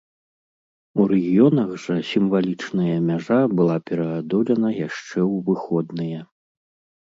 У рэгіёнах жа сімвалічная мяжа была пераадолена яшчэ ў выходныя.